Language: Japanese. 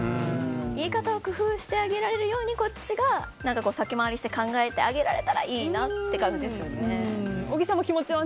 言い方を工夫してあげられるようにこっちが先回りして考えてあげられたら小木さんも気持ちは。